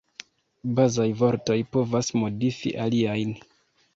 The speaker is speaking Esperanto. Bazaj vortoj povas modifi aliajn.